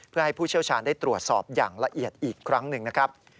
เพื่อให้ผู้เชี่ยวชาญได้ตรวจสอบอย่างละเอียดอีกครั้งหนึ่งนะครับ